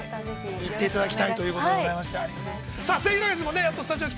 ◆行っていただきたいということでございまして。